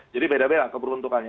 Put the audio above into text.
jadi beda beda keperuntukannya